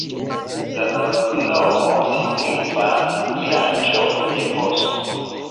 La loknomo signifas: vilaĝo de bosko.